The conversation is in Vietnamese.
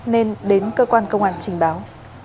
nên đến cơ quan công an trình báo